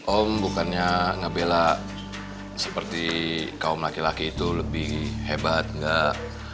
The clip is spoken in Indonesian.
om bukannya ngebela seperti kaum laki laki itu lebih hebat enggak